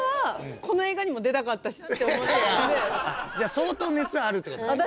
相当熱あるってことね。